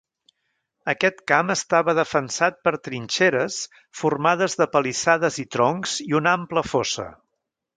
Aquest camp estava defensat per trinxeres formades de palissades i troncs i una ampla fossa.